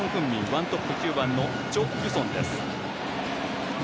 ワントップは９番のチョ・ギュソンです。